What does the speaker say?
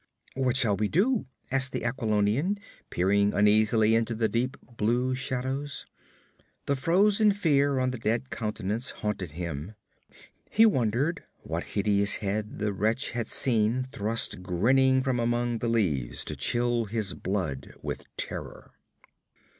'What shall we do?' asked the Aquilonian, peering uneasily into the deep blue shadows. The frozen fear on the dead countenance haunted him. He wondered what hideous head the wretch had seen thrust grinning from among the leaves to chill his blood with terror.